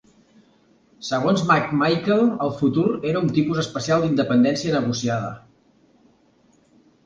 Segons McMichael el futur era "un tipus especial d'independència negociada".